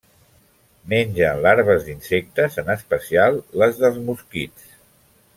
Mengen larves d'insectes, en especial les dels mosquits.